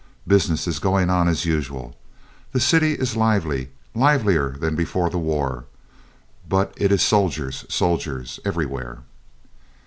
Business is going on as usual. The city is lively, livelier than before the war; but it is soldiers—soldiers everywhere."